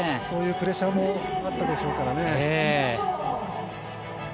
そういうプレッシャーもあったでしょうからね。